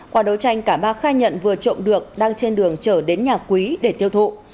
qua đấu tranh cả ba khai nhận vừa trộm được đang trên đường trở đến nhà quý để tiêu thụ